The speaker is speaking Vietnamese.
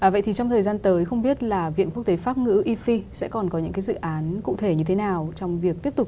vậy thì trong thời gian tới không biết là viện quốc tế pháp ngữ ifi sẽ còn có những cái dự án cụ thể như thế nào trong việc tiếp tục